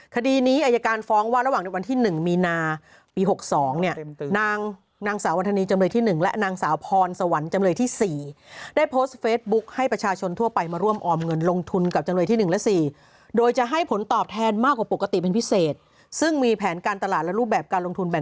คดีนี้อายการฟ้องว่าระหว่างในวันที่๑มีนาปี๖๒เนี่ยนางสาววันธนีจำเลยที่๑และนางสาวพรสวรรค์จำเลยที่๔ได้โพสต์เฟซบุ๊คให้ประชาชนทั่วไปมาร่วมออมเงินลงทุนกับจำเลยที่๑และ๔โดยจะให้ผลตอบแทนมากกว่าปกติเป็นพิเศษซึ่งมีแผนการตลาดและรูปแบบการลงทุนแบบ